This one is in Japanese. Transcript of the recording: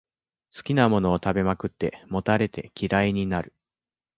好きなものを食べまくって、もたれて嫌いになる